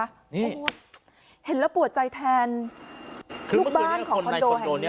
โอ้โหเห็นแล้วปวดใจแทนลูกบ้านของคอนโดแห่งนี้